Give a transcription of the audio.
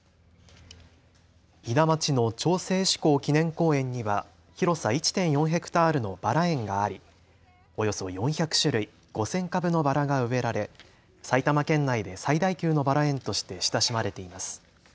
伊奈町の町制施行記念公園には広さ１．４へクタールのバラ園があり、およそ４００種類、５０００株のバラが植えられ埼玉県内で最大級のバラ園として親しまれています。